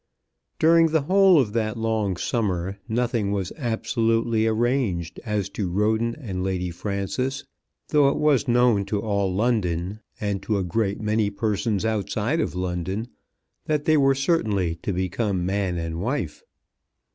During the whole of that long summer nothing was absolutely arranged as to Roden and Lady Frances, though it was known to all London, and to a great many persons outside of London, that they were certainly to become man and wife.